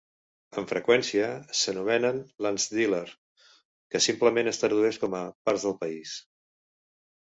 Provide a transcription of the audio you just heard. Amb freqüència, s'anomenen "landsdelar", que simplement es tradueix com a "parts del país".